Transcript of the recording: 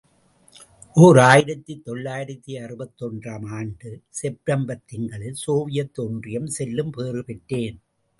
ஓர் ஆயிரத்து தொள்ளாயிரத்து அறுபத்தொன்று ஆம் ஆண்டு செப்டம்பர் திங்களில் சோவியத் ஒன்றியம் செல்லும் பேறு பெற்றேன்.